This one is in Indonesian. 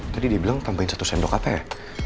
tadi dia bilang tambahin satu sendok apa ya